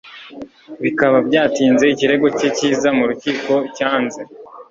Bikaba byatinze ikirego cye cyiza mu rukiko cyanze